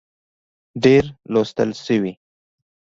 ډېر لوستل شوي